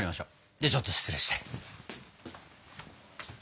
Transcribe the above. ではちょっと失礼して。